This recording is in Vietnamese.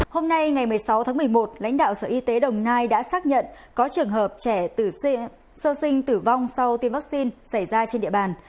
hôm nay ngày một mươi sáu tháng một mươi một lãnh đạo sở y tế đồng nai đã xác nhận có trường hợp trẻ sơ sinh tử vong sau tiêm vaccine xảy ra trên địa bàn